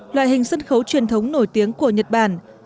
loại hình sân khấu truyền thống nổi tiếng của nhật bản